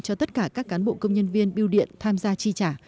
cho tất cả các cán bộ công nhân viên biêu điện tham gia chi trả